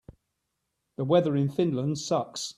The weather in Finland sucks.